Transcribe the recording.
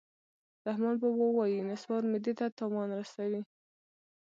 رحمان بابا وایي: نصوار معدې ته تاوان رسوي